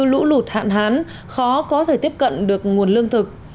lũ lụt hạn hán khó có thể tiếp cận được nguồn lương thực